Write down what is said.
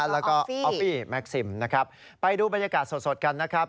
แล้วก็ออฟฟี่แม็กซิมนะครับไปดูบรรยากาศสดกันนะครับ